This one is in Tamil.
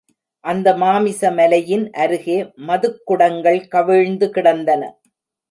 அந்த மாமிச மலையின் அருகே மதுக்குடங்கள் கவிழ்ந்து கிடந்தன.